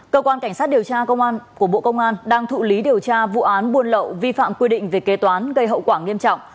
cơ quan cảnh sát điều tra của bộ công an đang thụ lý điều tra vụ án buôn lậu vi phạm quy định về kế toán gây hậu quả nghiêm trọng